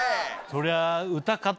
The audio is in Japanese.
そりゃあ。